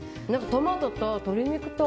トマトと鶏肉と。